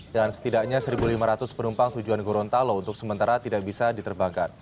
dan setidaknya satu lima ratus penumpang tujuan gorontalo untuk sementara tidak bisa diterbangkan